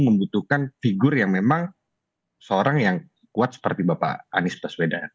membutuhkan figur yang memang seorang yang kuat seperti bapak anies baswedan